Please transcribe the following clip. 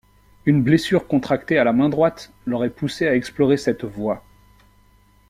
Une blessure contractée à la main droite l'aurait poussé à explorer cette voie.